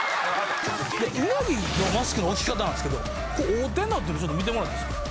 鰻のマスクの置き方なんですけどこれ合うてんの？っていうのちょっと見てもらっていいですか。